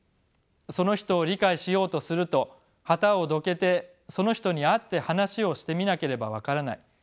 その人を理解しようとすると旗をどけてその人に会って話をしてみなければ分からない。